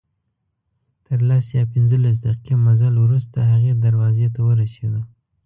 تر لس یا پنځلس دقیقې مزل وروسته هغې دروازې ته ورسېدو.